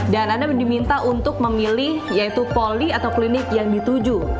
dan anda diminta untuk memilih yaitu poli atau klinik yang dituju